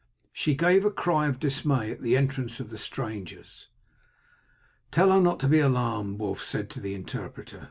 She gave a cry of dismay at the entrance of the strangers. "Tell her not to be alarmed," Wulf said to the interpreter.